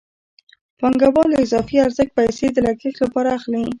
پانګوال له اضافي ارزښت پیسې د لګښت لپاره اخلي